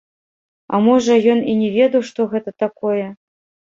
А можа, ён і не ведаў, што гэта такое?